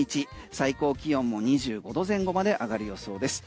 最高気温も２５度前後まで上がる予想です。